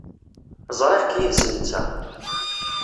Ẓriɣ-k yid-s netta.